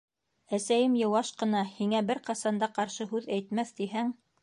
Әсәйем йыуаш ҡына, һиңә бер ҡасан да ҡаршы һүҙ әйтмәҫ, тиһәң...